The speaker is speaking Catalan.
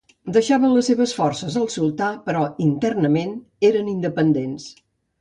Deixaven les seves forces al sultà però internament eren independents.